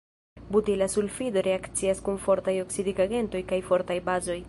Butila sulfido reakcias kun fortaj oksidigagentoj kaj fortaj bazoj.